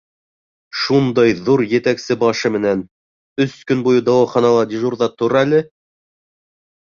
Шундай ҙур етәксе башы менән... өс көн буйы дауаханала дежурҙа тор әле!